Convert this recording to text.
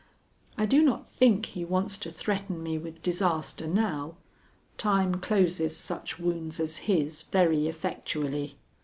I do not think he wants to threaten me with disaster now. Time closes such wounds as his very effectually.